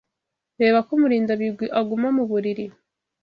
Reba ko Murindabigwi aguma mu buriri.